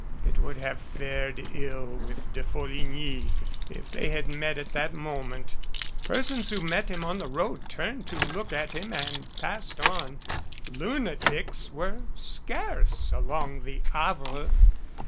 It would have fared ill with De Folligny if they had met at that moment. Persons who met him on 190 <A PHILOSOPHER IN A QUANDARY the road turned to look at him and passed on. Lunatics were scarce along the Avre.